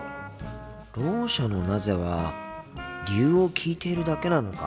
ろう者の「なぜ？」は理由を聞いているだけなのか。